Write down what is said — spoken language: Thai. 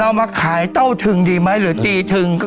เอามาขายเต้าทึงดีไหมหรือตีทึง